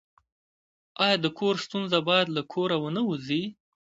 آیا د کور ستونزه باید له کوره ونه وځي؟